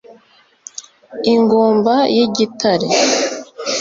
ingumba y’igitare